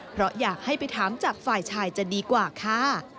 เพราะอยากให้ไปถามจากฝ่ายชายจะดีกว่าค่ะ